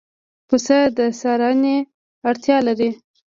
پسه د څارنې اړتیا لري.